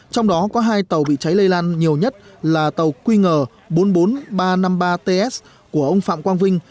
trong đó có hai tàu bị cháy lây lan nhiều nhất là tàu qng bốn mươi bốn nghìn ba trăm năm mươi ba ts của ông phạm quang vinh